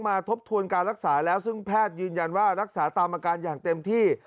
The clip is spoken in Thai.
ทบทวนการรักษาแล้วซึ่งแพทย์ยืนยันว่ารักษาตามอาการอย่างเต็มที่